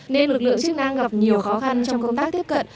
nên lực lượng chức năng gặp nhiều khó khăn trong công tác tiếp cận